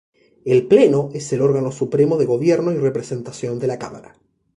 El Pleno es el órgano supremo de gobierno y representación de la Cámara.